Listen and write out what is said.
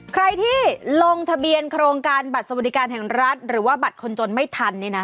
ใครที่ลงทะเบียนโครงการบัตรสวัสดิการแห่งรัฐหรือว่าบัตรคนจนไม่ทัน